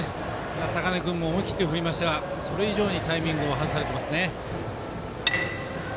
坂根君も思い切って振りましたがそれ以上にタイミングを外されていますね。